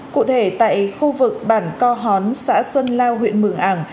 cụ thể tại khu vực bản co hón xã xuân lao huyện mường ảng